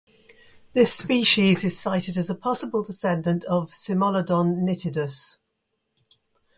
This species is cited as a possible descendant of "Cimolodon nitidus".